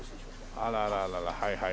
あららららはいはい。